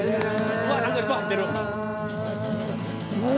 うわ何かいっぱい入ってる。